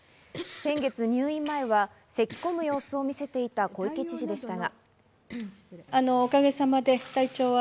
先月、入院前は咳込む様子を見せていた小池知事でしたが。